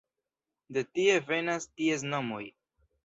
De tie venas ties nomoj.